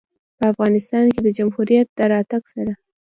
په افغانستان کې د جمهوریت د راتګ سره